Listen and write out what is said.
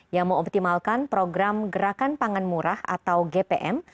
yang mengoptimalkan program gerakan pangan murah atau gpm